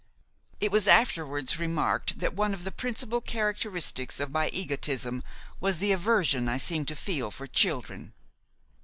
It was afterwards remarked that one of the principal characteristics of my egotism was the aversion I seemed to feel for children.